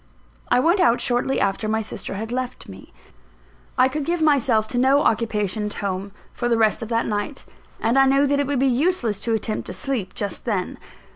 I went out shortly after my sister had left me. I could give myself to no occupation at home, for the rest of that night; and I knew that it would be useless to attempt to sleep just then.